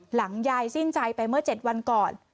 หลังยายสิ้นใจไปเมื่อ๗วันก่อน